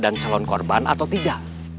dan calon korban atau tidak